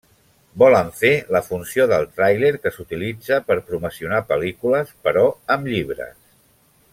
Volen fer la funció del tràiler que s’utilitza per promocionar pel·lícules, però amb llibres.